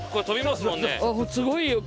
すごいよく。